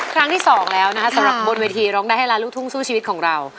ครั้งที่สองแล้วนะคะสำหรับบนเวทีร้องได้ให้ล้านลูกทุ่งสู้ชีวิตของเรา